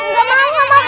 gak mau gak mau